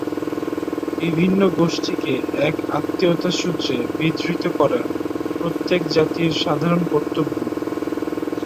বিভিন্ন গোষ্ঠীকে এক আত্মীয়তাসূত্রে বিধৃত করা প্রত্যেক জাতির সাধারণ কর্তব্য।